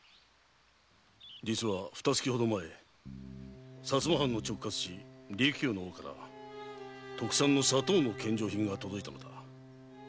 実は二月ほど前薩摩藩の直轄地琉球の王から特産の砂糖の献上品が届いたのだ。